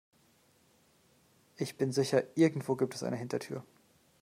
Ich bin sicher, irgendwo gibt es eine Hintertür.